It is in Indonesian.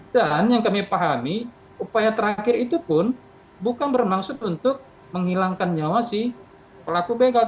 dan yang kami pahami upaya terakhir itu pun bukan bermaksud untuk menghilangkan nyawa si pelaku begel